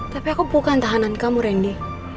tapi aku bukan tahanan kamu randy